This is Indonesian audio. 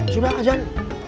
sudah pak ustaz